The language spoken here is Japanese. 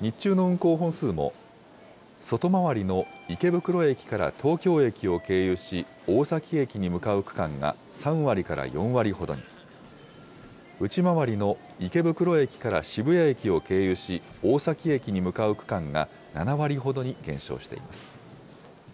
日中の運行本数も、外回りの池袋駅から東京駅を経由し大崎駅に向かう区間が３割から４割ほどに、内回りの池袋駅から渋谷駅を経由し、大崎駅に向かう区間が７割ほどに減少しています。